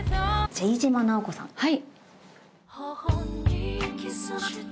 はい。